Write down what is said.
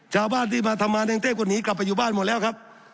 ชาวบ้านที่มาทำงานในกรุงเทพก็หนีกลับไปอยู่บ้านหมดแล้วครับ